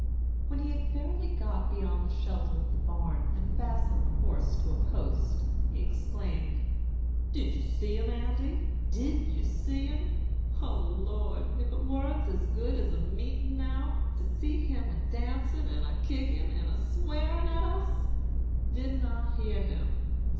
"When he had fairly got beyond the shelter of the barn, and fastened the horse to a post, he exclaimed, 'Did you see him, Andy? Did yer see him? O Lor', if it warn't as good as a meetin', now, to see him a dancin' and a kickin', and swarin' at us! Didn't I hear him?